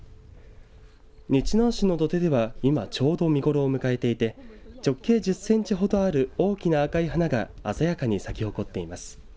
日南市の土手では今ちょうど見頃を迎えていて直径１０センチほどある大きな赤い花が鮮やかに咲き誇っています。